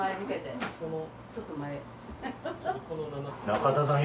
中田さん